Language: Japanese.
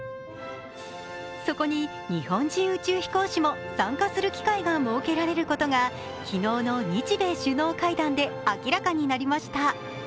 そこに、日本人宇宙飛行士も参加する機会が設けられることが昨日の日米首脳会談で明らかになりました。